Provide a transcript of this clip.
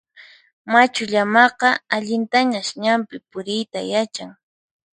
Machu llamaqa allintañas ñanpi puriyta yachan.